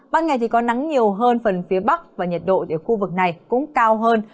ban ngày thì có nắng nhiều hơn phần phía bắc và nhiệt độ ở khu vực này cũng cao hơn